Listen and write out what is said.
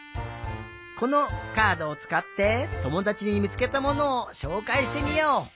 このカードをつかってともだちにみつけたものをしょうかいしてみよう！